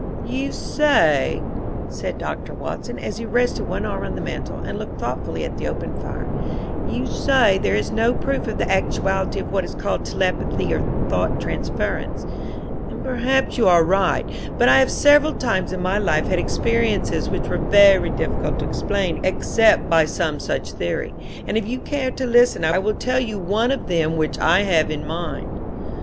"You say," said Doctor Watson, as he rested one arm on the mantel and looked thoughtfully at the open fire, "you say there is no proof of the actuality of what is called telepathy or thought transference, and perhaps you are right, but I have several times in my life had experiences which were very difficult to explain except by some such theory, and if you care to listen I will tell you one of them which I have in mind."